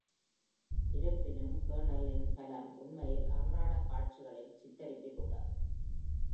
இருப்பினும், Kienzl இன் பலம் உண்மையில் அன்றாட காட்சிகளின் சித்தரிப்பில் உள்ளது.